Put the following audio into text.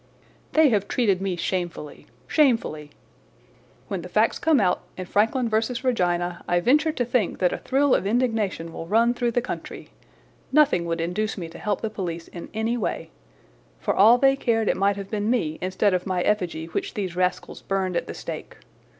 "They have treated me shamefully—shamefully. When the facts come out in Frankland v. Regina I venture to think that a thrill of indignation will run through the country. Nothing would induce me to help the police in any way. For all they cared it might have been me, instead of my effigy, which these rascals burned at the stake.